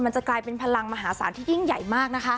จะกลายเป็นพลังมหาศาลที่ยิ่งใหญ่มากนะคะ